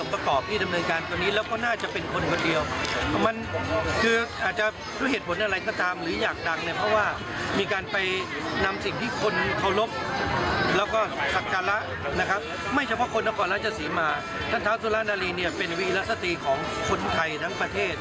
เพราะว่าธุราณรีเป็นวิลสติของคนไทยทั้งประเทศ